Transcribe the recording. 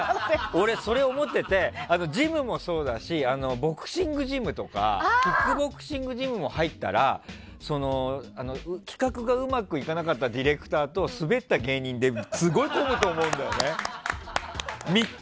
俺それを思っててジムもそうだしボクシングジムとかキックボクシングジムとかが入ったら企画がうまくいかなかったディレクターとスベった芸人ですごく混むと思うんだよね。